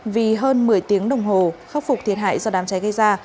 vì hơn một mươi tiếng đồng hồ khắc phục thiệt hại do đám cháy gây ra